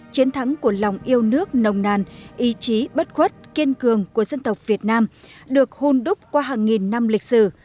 chiến thắng của lòng yêu nước nồng nàn ý chí bất khuất kiên cường của dân tộc việt nam được hôn đúc qua hàng nghìn năm lịch sử